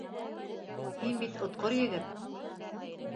Һин бит отҡор егет.